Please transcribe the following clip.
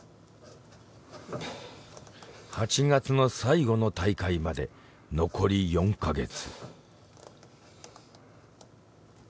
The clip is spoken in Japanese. ８月の最後の大会まで残り４カ月。